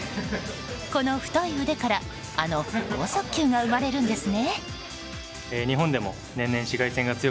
この太い腕からあの豪速球が生まれるんですね。